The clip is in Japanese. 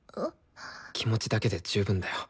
気持ちだけで十分だよ。